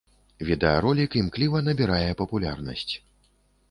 Відэаролік імкліва набірае папулярнасць.